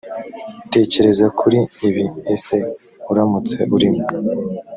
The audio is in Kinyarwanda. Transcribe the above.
tekereza kuri ibi ese uramutse urimo